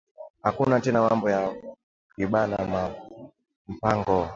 Akuna tena mambo ya kwibana ma mpango